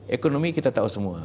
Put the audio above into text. ekonomi kita tahu semua